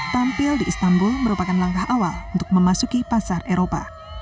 tampil di istanbul merupakan langkah awal untuk memasuki pasar eropa